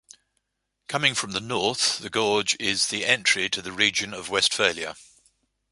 Coming from the north, the gorge is the entry to the region of Westphalia.